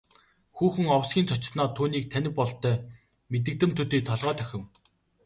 Хүүхэн овсхийн цочсоноо түүнийг танив бололтой мэдэгдэм төдий толгой дохив.